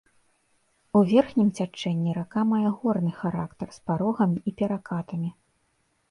У верхнім цячэнні рака мае горны характар, з парогамі і перакатамі.